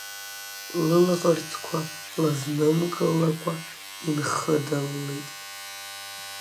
Лылаӷырӡқәа лызнымкылакәа инхыддылеит.